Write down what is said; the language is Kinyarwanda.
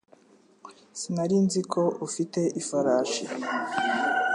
Sinari nzi ko ufite ifarashi